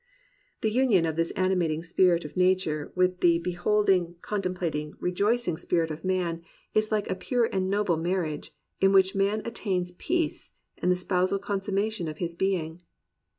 The union of this animating Spirit of Nature, with the beholding, contemplating, rejoicing spirit of man is like a pure and noble marriage, in which man attains peace and the spousal consummation of his being.